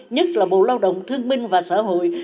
nhất là bộ lao động thương minh và xã hội